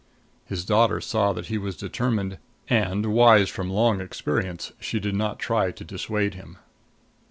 His daughter saw that he was determined; and, wise from long experience, she did not try to dissuade him.